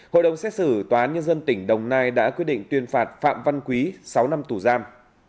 hội đồng xét xử tòa nhân dân tỉnh đồng nai đã quyết định tuyên phạt phạm văn quý sáu năm tù giam